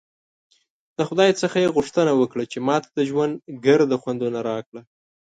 د خدای څخه ېې غوښتنه وکړه چې ماته د ژوند ګرده خوندونه راکړه!